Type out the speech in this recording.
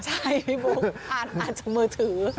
ใช่พี่บุ๊คอ่านจากมือถือ